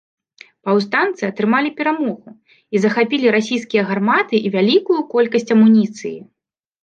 Паўстанцы атрымалі перамогу і захапілі расійскія гарматы і вялікую колькасць амуніцыі.